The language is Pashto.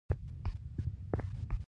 ګومان مې کاوه هغه ډېره ګرمه نه وه.